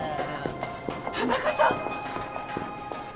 田中さん！